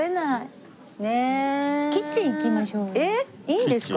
えっいいんですか？